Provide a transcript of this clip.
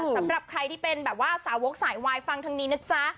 สำหรับใครที่เป็นแบบว่าสาวกสายวายฟังทางนี้นะจ๊ะ